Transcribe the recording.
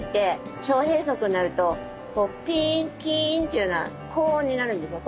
腸閉塞になるとピーンキーンっていうような高音になるんですよ。